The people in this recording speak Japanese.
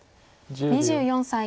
２４歳。